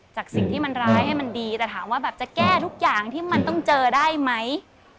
จากสิ่งที่มันร้ายให้มันดีแต่ถามว่าแบบจะแก้ทุกอย่างที่มันต้องเจอได้ไหม